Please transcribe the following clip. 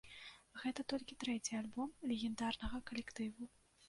Гэта толькі трэці альбом легендарнага калектыву.